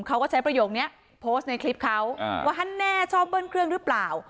เขาก็ใช้ประโยคนี้โพสต์ในคลิปเขาว่าฮันแน่ชอบเบิ้ลเครื่องหรือเปล่า